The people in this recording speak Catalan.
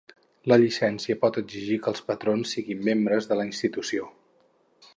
La llicència pot exigir que els patrons siguin membres de la institució.